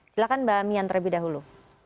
silahkan mbak mian terlebih dahulu